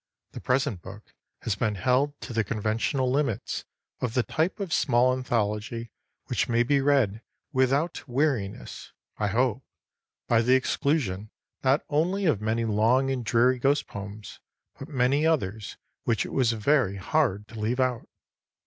The present book has been held to the conventional limits of the type of small ethology which may be read without weariness (I hope) by the exclusion not only of many long and dreary ghost poems, but many others which it was very hard to leave out.